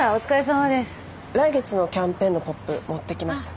来月のキャンペーンのポップ持ってきました。